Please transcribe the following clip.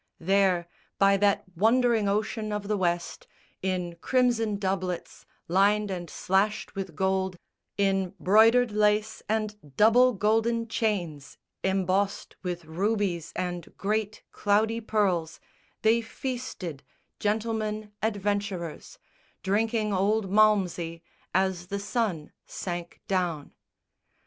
There, by that wondering ocean of the West, In crimson doublets, lined and slashed with gold, In broidered lace and double golden chains Embossed with rubies and great cloudy pearls They feasted, gentlemen adventurers, Drinking old malmsey, as the sun sank down.